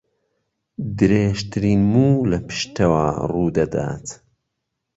درێژترین موو لە پشتەوە ڕوو دەدات